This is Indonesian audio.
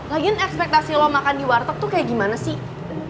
lagiin ekspektasi lo makan di warteg tuh kayak gimana sih